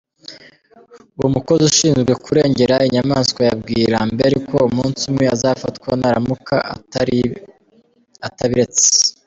Uwo mukozi ushinzwe kurengera inyamaswa yabwiye Lambert ko umunsi umwe azafatwa naramuka atabiretse.